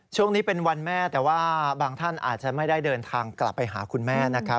ช่วงนี้เป็นวันแม่แต่ว่าบางท่านอาจจะไม่ได้เดินทางกลับไปหาคุณแม่นะครับ